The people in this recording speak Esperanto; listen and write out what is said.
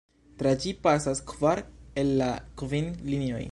Tra ĝi pasas kvar el la kvin linioj.